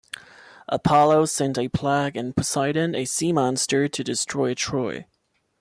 Apollo sent a plague and Poseidon a sea monster to destroy Troy.